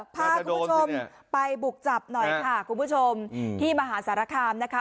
พาคุณผู้ชมไปบุกจับหน่อยค่ะคุณผู้ชมที่มหาสารคามนะคะ